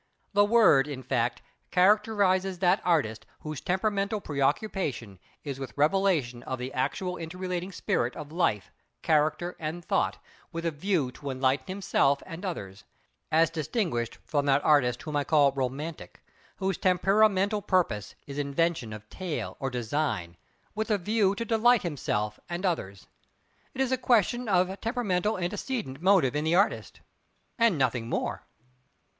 The word, in fact, characterises that artist whose temperamental preoccupation is with revelation of the actual inter relating spirit of life, character, and thought, with a view to enlighten himself and others; as distinguished from that artist whom I call romantic—whose tempera mental purpose is invention of tale or design with a view to delight himself and others. It is a question of temperamental antecedent motive in the artist, and nothing more.